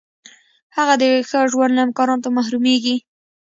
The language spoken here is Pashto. هغه د ښه ژوند له امکاناتو محرومیږي.